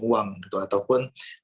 uang atau pun